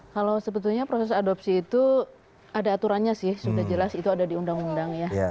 kalau sebetulnya proses adopsi itu ada aturannya sih sudah jelas itu ada di undang undang ya